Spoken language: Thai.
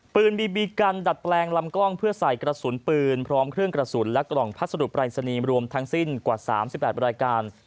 บีบีกันดัดแปลงลำกล้องเพื่อใส่กระสุนปืนพร้อมเครื่องกระสุนและกล่องพัสดุปรายศนีย์รวมทั้งสิ้นกว่า๓๘รายการ